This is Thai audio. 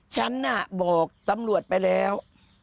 ฉันน่ะบอกตำรวจไปแล้ว